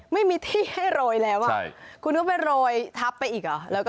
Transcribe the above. ไม่มีที่ให้โรยแล้วคุณก็ไปโรยทับไปอีกเหรอ